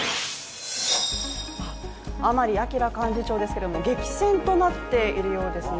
甘利明幹事長ですけど激戦となっているそうですね。